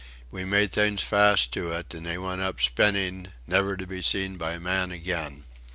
We made things fast to it and they went up spinning, never to be seen by man again.